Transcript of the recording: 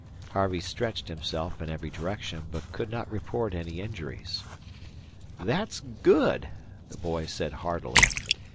Harvey stretched himself in every direction, but could not report any injuries. "That's good," the boy said heartily.